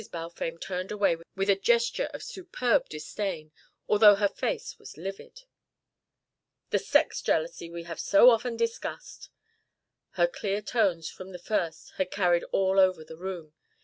Balfame turned away with a gesture of superb disdain, although her face was livid. "The sex jealousy we have so often discussed!" Her clear tones from the first had carried all over the room.